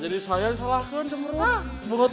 makanya saya yang salahkan cemberut